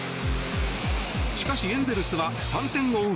しかし、エンゼルスは３点を追う